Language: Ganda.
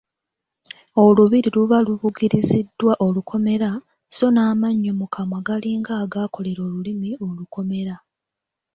Olubiri luba lubugiriziddwa olukomera, sso n’amannyo mu kamwa galinga agaakolera olulimi olukomera.